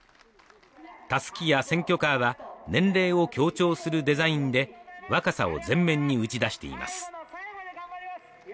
たすきや選挙カーは年齢を強調するデザインで若さを前面に打ち出しています